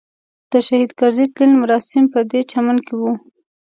د شهید کرزي تلین مراسم پدې چمن کې وو.